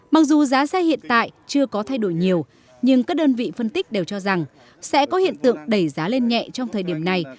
mặc dù giá xe hiện tại chưa có thay đổi nhiều nhưng các đơn vị phân tích đều cho rằng sẽ có hiện tượng đẩy giá lên nhẹ trong thời điểm này